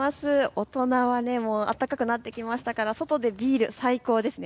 大人は暖かくなってきましたから外でビール、最高ですね。